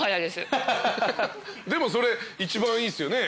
でもそれ一番いいっすよね。